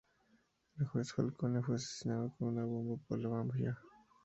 El juez Falcone fue asesinado con una bomba por la mafia.